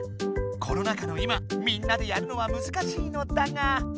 コロナ禍の今みんなでやるのはむずかしいのだが。